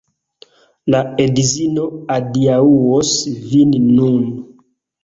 La edzino adiaŭos vin nun